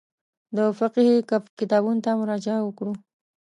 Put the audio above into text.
د فقهي کتابونو ته مراجعه وکړو.